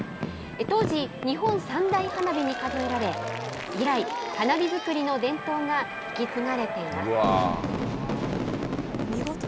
当時、日本三大花火に数えられ、以来、花火作りの伝統が引き継がれています。